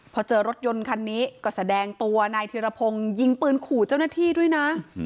พอเจอรถยนต์คันนี้ก็แสดงตัวนายธิรพงศ์ยิงปืนขู่เจ้าหน้าที่ด้วยนะ